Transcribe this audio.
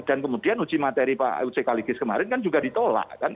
dan kemudian uji materi pak ucik haligis kemarin kan juga ditolak